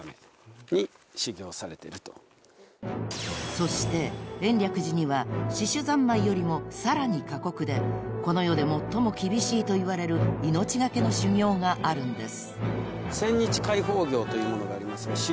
［そして延暦寺には四種三昧よりもさらに過酷でこの世で最も厳しいといわれる命懸けの修行があるんです］